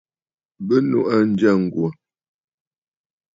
Bɨ nuʼu aa ǹjyâ ŋ̀gwò.